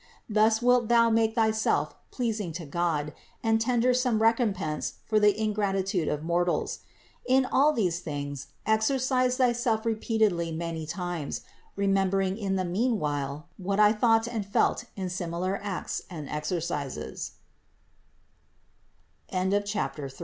Thus wilt thou make thyself pleasing to God and tender some recompense for the ingratitude of mortals. In all these things exercise thyself repeatedly many times, remembering in the meanwhile what I thought and felt in similar acts and